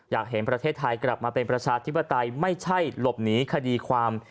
อยากเห็นประเทศไทยกลับมาเป็นประชาธิปไตยไม่ใช่หลบหนีคดีความ